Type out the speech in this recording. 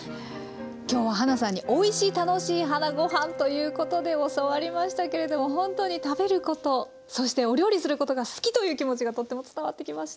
今日ははなさんに「おいし楽しいはなゴハン」ということで教わりましたけれどもほんとに食べることそしてお料理することが好きという気持ちがとても伝わってきました。